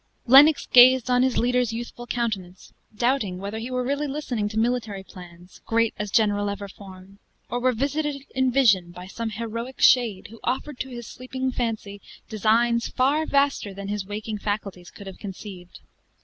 Lennox gazed on his leader's youthful countenance, doubting whether he really were listening to military plans, great as general ever formed; or were visited, in vision, by some heroic shade, who offered to his sleeping fancy designs far vaster than his waking faculties could have conceived.